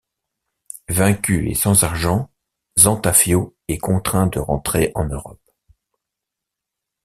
Vaincu et sans argent, Zantafio est contraint de rentrer en Europe.